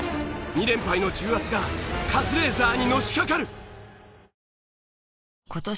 ２連敗の重圧がカズレーザーにのしかかる！